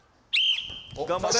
頑張れ！